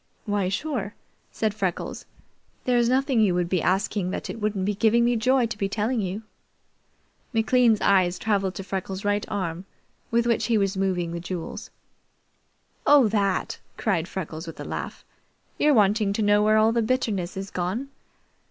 "Why, sure," said Freckles. "There's nothing you would be asking that it wouldn't be giving me joy to be telling you." McLean's eyes traveled to Freckles' right arm with which he was moving the jewels. "Oh, that!" cried Freckles with a laugh. "You're wanting to know where all the bitterness is gone?